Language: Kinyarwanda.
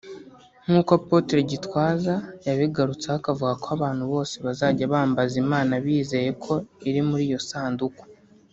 nk’uko Apotre Gitwaza yabigarutseho akavuga ko abantu bose bazajya bambaza Imana bizeye ko iri muri iyo sanduku